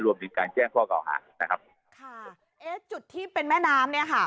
รวมถึงการแจ้งข้อเก่าหานะครับจุดที่เป็นแม่น้ำเนี่ยฮะ